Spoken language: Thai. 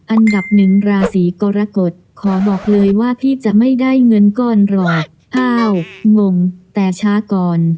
อันดับหนึ่งราศีกรกฎขอบอกเลยว่าพี่จะไม่ได้เงินก้อนรองอ้าวงงแต่ช้าก่อน